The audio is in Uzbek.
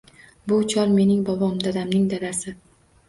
Bu chol – mening bobom. Dadamning dadasi.